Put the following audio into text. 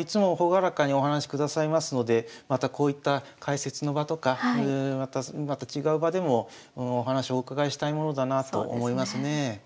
いつも朗らかにお話しくださいますのでまたこういった解説の場とかまた違う場でもお話をお伺いしたいものだなと思いますね。